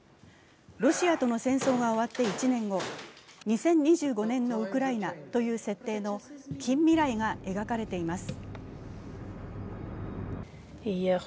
ロシアとの戦争が終わって１年後、２０２５年のウクライナという設定の近未来が描かれています。